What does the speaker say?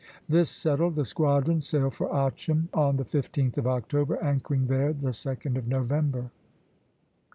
This settled, the squadron sailed for Achem on the 15th of October, anchoring there the 2d of November.